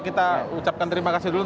kita ucapkan terima kasih dulu